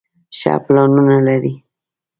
ښۀ پلانونه لري